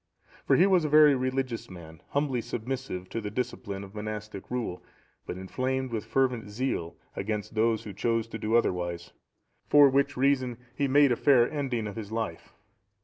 For he was a very religious man, humbly submissive to the discipline of monastic rule, but inflamed with fervent zeal against those who chose to do otherwise; for which reason he made a fair ending of his life.